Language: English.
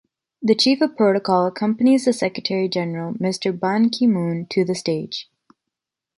The chief of protocol accompanies the Secretary General Mr. Ban Ki-moon to the stage.